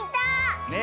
ねえ。